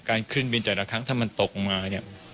ขึ้นบินแต่ละครั้งถ้ามันตกมาเนี่ย